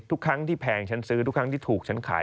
ทุกครั้งที่แพงฉันซื้อทุกครั้งที่ถูกฉันขาย